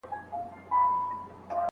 د يوسف سورت د نزول وخت خورا حساس وو.